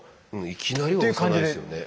いきなりは押さないですよね。